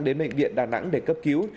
đến bệnh viện đà nẵng để cấp cứu